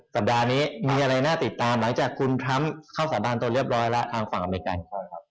สัปดาห์นี้มีอะไรน่าติดตามหลังจากคุณทรัมป์เข้าสาบานตัวเรียบร้อยแล้วทางฝั่งอเมริกัน